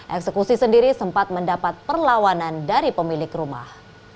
eksekusi sendiri sempat mendapat perlawanan dari pemilik rumah